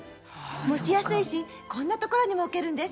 持ちやすいしこんな所にも置けるんです！